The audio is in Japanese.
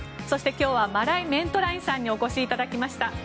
そして今日はマライ・メントラインさんにお越しいただきました。